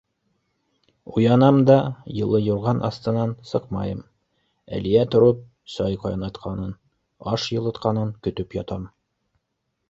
Уянам да, йылы юрған аҫтынан сыҡмайым, Әлиә тороп, сәй ҡайнатҡанын, аш йылытҡанын көтөп ятам.